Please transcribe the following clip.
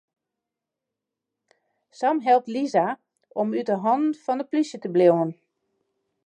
Sam helpt Lisa om út 'e hannen fan de plysje te bliuwen.